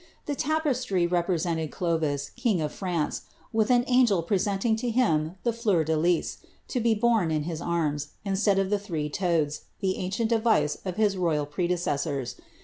The tapestry represented Clovis, king of France, with an angel present ing to him the fleur de lis^ to be borne in his arms, instead of the three toads, the ancient device of his royal predecessors.